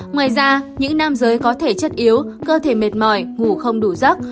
ngoài ra những nam giới có thể chất yếu cơ thể mệt mỏi ngủ không đủ rắc